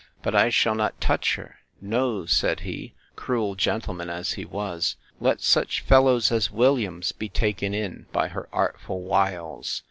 But I shall not touch her: No, said he, cruel gentleman as he was! let such fellows as Williams be taken in by her artful wiles!